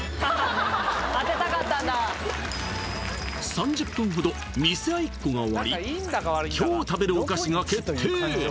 ３０分ほど見せ合いっこが終わり今日食べるお菓子が決定